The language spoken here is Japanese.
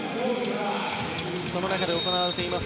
その中で行われています